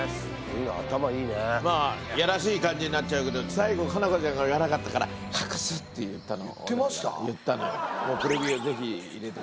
まあやらしい感じになっちゃうけど最後佳菜子ちゃんが言わなかったから言ってました？